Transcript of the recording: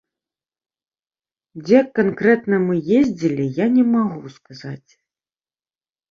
Дзе канкрэтна мы ездзілі, я не магу сказаць.